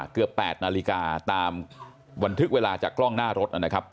เกือบ๘นาฬิกาตามบันทึกเวลาจากกล้องหน้ารถนะครับ